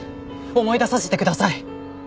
思い出させてください！